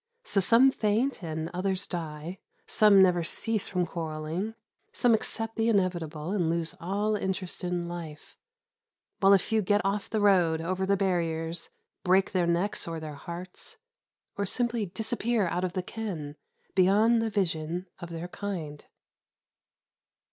So some faint and others die; some never cease from quarrelling; some accept the inevitable and lose all interest in life; while a few get off the road, over the barriers, break their necks or their hearts, or simply disappear out of the ken, beyond the vision, of their kind.